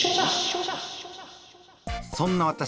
そんな私